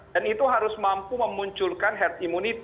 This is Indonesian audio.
dan itu harus mampu memunculkan herd immunity